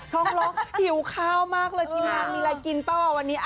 ช่องร้องหิวข้าวมากเลยชิคกี้พายมีอะไรกินเปล่าว่าวันนี้